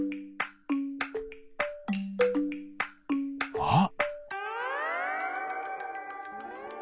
あっ！